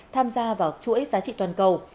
tham gia vào chuỗi giá trị toàn cầu